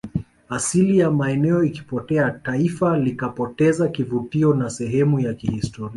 asili ya maeneo ikipotea taifa likapoteza kivutio na sehemu ya kihistoria